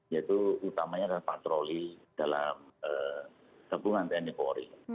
yaitu utamanya dengan patroli dalam tabungan tni polri